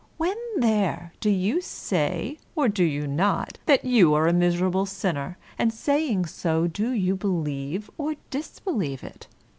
When there, do you say, or do you not, that you are a miserable sinner, and saying so do you believe or disbelieve it